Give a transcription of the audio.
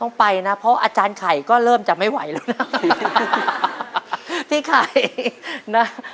ไปนะเพราะอาจารย์ไข่ก็เริ่มจะไม่ไหวแล้วนะพี่ไข่นะ